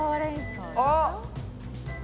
あっ！